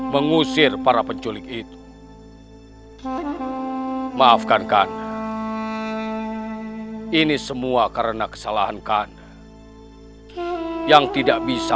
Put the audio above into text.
mengusir para penculik itu maafkan kanan ini semua karena kesalahan kanan yang tidak bisa